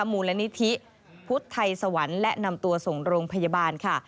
มูลนิธิพุทธไทยสวรรค์และนำตัวส่งโรงพยาบาลค่ะ